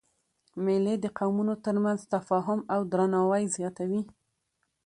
مېلې د قومونو تر منځ تفاهم او درناوی زیاتوي.